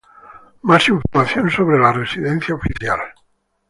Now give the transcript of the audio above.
Más información sobre la residencia oficial.